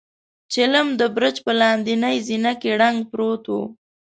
چيلم د برج په لاندنۍ زينه کې ړنګ پروت و.